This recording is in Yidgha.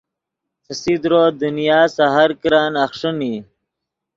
فسیدرو دنیا سے ہر کرن اخݰین ای